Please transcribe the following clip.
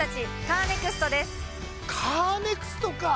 カーネクストか！